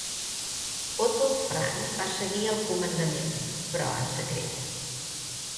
Otto Frank va seguir al comandament, però en secret.